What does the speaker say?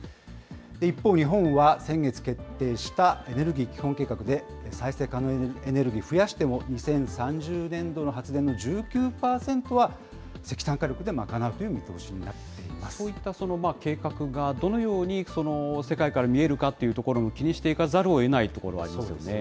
一方、日本は先月決定したエネルギー基本計画で再生可能エネルギー増やしても、２０３０年度の発電の１９％は、石炭火力で賄うという見そういった計画がどのように世界から見えるかということも、気にしていかざるをえないところそうですよね。